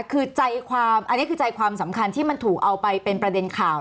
คือใจความอันนี้คือใจความสำคัญที่มันถูกเอาไปเป็นประเด็นข่าว